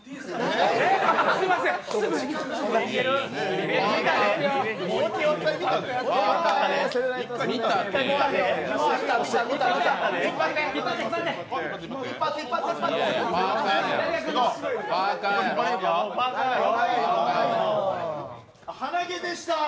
あっ、鼻毛でした！